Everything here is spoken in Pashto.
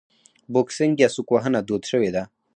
بوکسینګ یا سوک وهنه دود شوې ده.